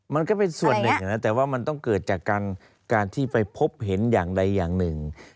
มันก็เป็นส่วนหนึ่งนะแต่ว่ามันต้องเกิดจากการที่ไปพบเห็นอย่างใดอย่างหนึ่ง